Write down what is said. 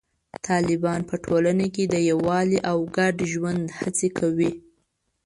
طالبان په ټولنه کې د یووالي او ګډ ژوند هڅې کوي.